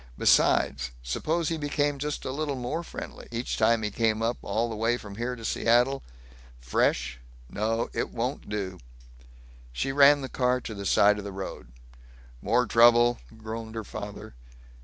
Besides suppose he became just a little more friendly, each time he came up, all the way from here to Seattle?... Fresh.... No, it won't do." She ran the car to the side of the road. "More trouble?" groaned her father.